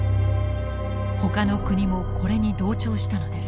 ほかの国もこれに同調したのです。